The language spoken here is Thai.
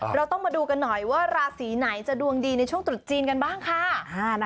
เราต้องมาดูกันหน่อยว่าราศีไหนจะดวงดีในช่วงตรุษจีนกันบ้างค่ะ